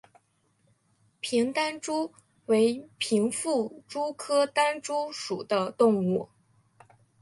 平单蛛为平腹蛛科单蛛属的动物。